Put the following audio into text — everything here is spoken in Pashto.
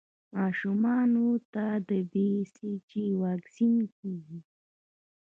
ماشومانو ته د بي سي جي واکسین کېږي.